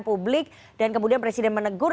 publik dan kemudian presiden menegur